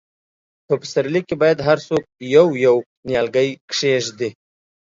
په پسرلي کې باید هر څوک یو، یو نیالګی کښېږدي.